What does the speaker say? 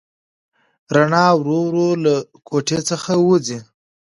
رڼا ورو ورو له کوټې څخه وځي.